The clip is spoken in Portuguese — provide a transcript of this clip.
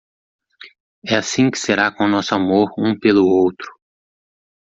É assim que será com nosso amor um pelo outro.